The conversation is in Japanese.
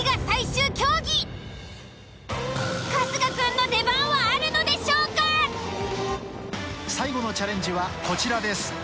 最後のチャレンジはこちらです。